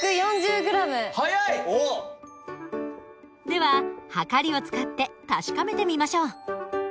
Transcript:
でははかりを使って確かめてみましょう。